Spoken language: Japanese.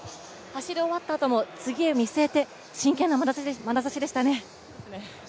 走り終わったあとも次を見据えて、真剣なまなざしでしたね。